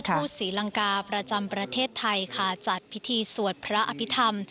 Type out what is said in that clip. สถานเอกอักภาษธุศรีลังกาประจำประเทศไทยจัดพิธีสวดพระอภิธรรม